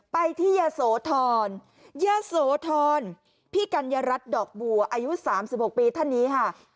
ไปที่ยะโสธรยะโสธรพี่กัญญารัฐดอกบัวอายุ๓๖ปีท่านนี้ค่ะ